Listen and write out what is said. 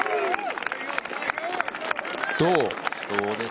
どう？